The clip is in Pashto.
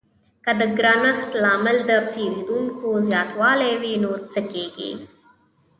که د ګرانښت لامل د پیرودونکو زیاتوالی وي نو څه کیږي؟